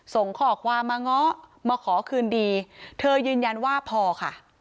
ส่งข้อความมาเงาะมาขอคืนดีเธอยืนยันว่าพอค่ะ